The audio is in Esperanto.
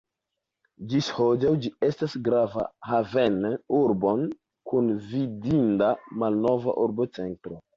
Ĝis hodiaŭ ĝi estas grava haven-urbo kun vidinda malnova urbocentro.